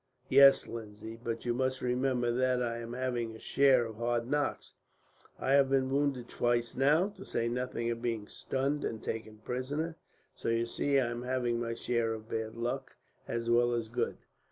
"Yes, Lindsay, but you must remember that I am having a share of hard knocks. I have been wounded twice now, to say nothing of being stunned and taken prisoner; so you see I am having my share of bad luck, as well as good.